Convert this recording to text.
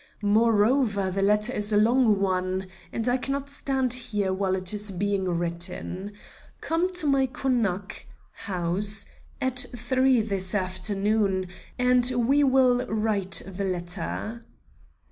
Moreover, the letter is a long one, and I cannot stand here while it is being written. Come to my Konak (house) at three this afternoon, and we will write the letter."